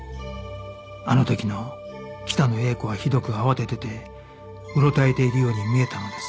あの時の北野英子はひどく慌てていてうろたえているように見えたのです